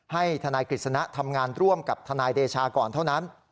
ให้ทนายกฤษณะทำงานร่วมกับทนายเดชาก่อนเท่านั้น